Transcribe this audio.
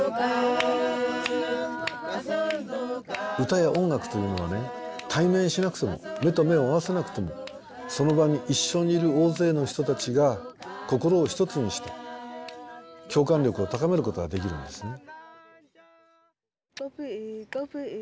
歌や音楽というのは対面しなくても目と目を合わせなくてもその場に一緒にいる大勢の人たちが心を一つにして共感力を高めることができるんですね。